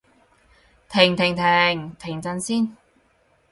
停停停！停陣先